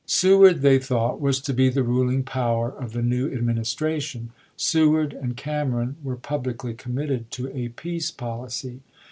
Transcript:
Seward, they thought, was to be the ruling power of the new Administration. Seward and Cameron were publicly committed to a peace policy.